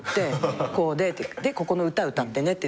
でここの歌歌ってねって。